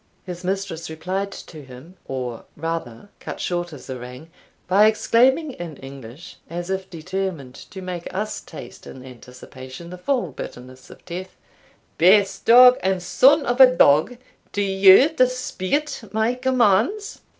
His mistress replied to him, or rather cut short his harangue, by exclaiming in English (as if determined to make us taste in anticipation the full bitterness of death) "Base dog, and son of a dog, do you dispute my commands?